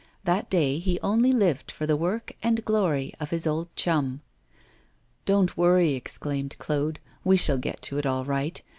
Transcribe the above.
That day he only lived for the work and glory of his old chum. 'Don't worry!' exclaimed Claude; 'we shall get to it all right.